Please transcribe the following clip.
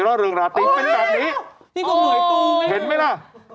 แล้วเริ่มราติเป็นจากนี้นี่ก็เหนื่อยตูเห็นไหมล่ะ